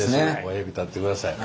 親指立ててください。